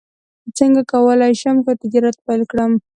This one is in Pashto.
څنګه کولی شم ښه تجارت پیل کړم